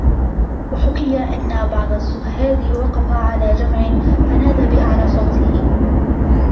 وَحُكِيَ أَنَّ بَعْضَ الزُّهَّادِ وَقَفَ عَلَى جَمْعٍ فَنَادَى بِأَعْلَى صَوْتِهِ